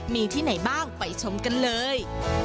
มีที่ไหนบ้างไปชมกันเลย